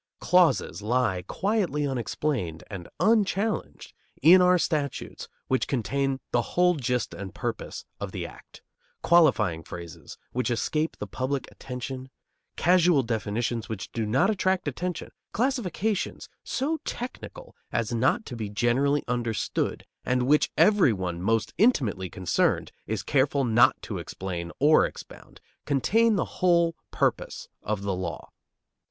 Clauses lie quietly unexplained and unchallenged in our statutes which contain the whole gist and purpose of the act; qualifying phrases which escape the public attention, casual definitions which do not attract attention, classifications so technical as not to be generally understood, and which every one most intimately concerned is careful not to explain or expound, contain the whole purpose of the law.